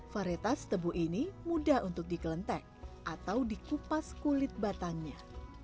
varitas tebu ini mudah untuk dikelentek atau dikupas kulit batangnya